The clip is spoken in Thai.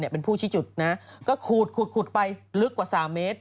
เป็นผู้ชี้จุดนะก็ขูดไปลึกกว่า๓เมตร